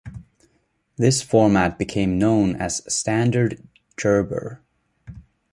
This format became known as Standard Gerber.